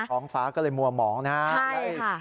มองฟ้าก็เลยมั่วหมองนะครับใช่ค่ะ